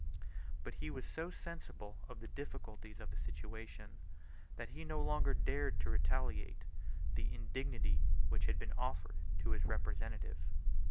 But he was so sensible of the difficulties of his situation, that he no longer dared to retaliate the indignity which had been offered to his representative.